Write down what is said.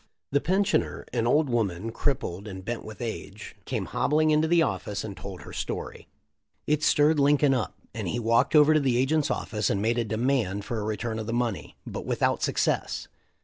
The pensioner, an old woman crippled and bent with age, came hobbling into the office and told her story. It stirred Lincoln up, and he walked over to the agent's office and made a demand for a THE LIFE OF LINCOLN. 341 return of the money, but without success.